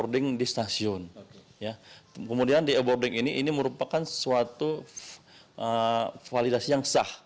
di e boarding ini merupakan fasilitas yang sah